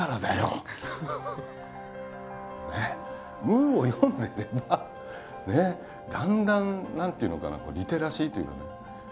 「ムー」を読んでればだんだん何ていうのかなリテラシーというかね。